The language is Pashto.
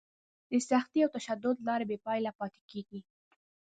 د سختي او تشدد لاره بې پایلې پاتې کېږي.